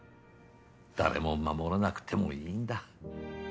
誰も守らなくてもいいんだ。